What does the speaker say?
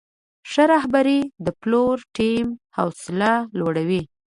ښه رهبري د پلور ټیم حوصله لوړوي.